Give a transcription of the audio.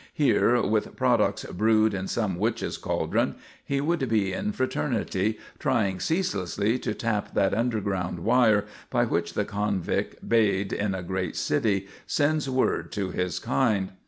Here, with products brewed in some witch's caldron, he would be in fraternity, trying ceaselessly to tap that underground wire by which the convict bayed in a great city sends word to his kind.